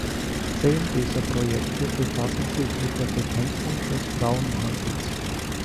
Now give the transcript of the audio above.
Zehn dieser Projekte befassen sich mit der Bekämpfung des Frauenhandels.